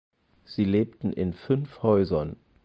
Sie lebten in fünf Häusern.